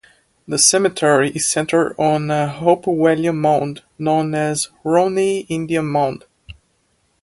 The cemetery is centered on a Hopewellian mound, known as the Romney Indian Mound.